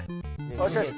よしよし！